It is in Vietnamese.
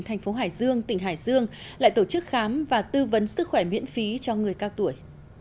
thành phố hải dương tỉnh hải dương lại tổ chức khám và tư vấn sức khỏe miễn phí cho người cao tuổi